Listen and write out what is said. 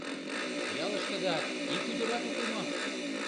— Ялыштыда ик ӱдырат уке мо?